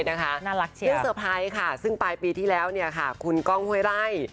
เรื่องเตอร์ไพรส์ค่ะซึ่งปลายปีที่แล้วคุณก้องห้วยไร่